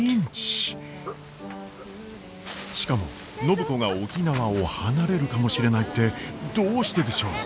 しかも暢子が沖縄を離れるかもしれないってどうしてでしょう？